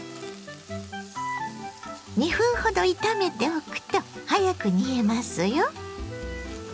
２分ほど炒めておくと早く煮えますよ。